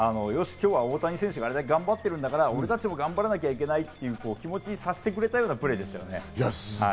今日はあれだけ大谷選手が頑張ってるから、俺たちも頑張らなければいけないという気持ちにさせてくれたプレーでしたね。